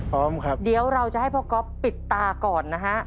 พร้อมครับเดี๋ยวเราจะให้พ่อก๊อฟปิดตาก่อนนะฮะ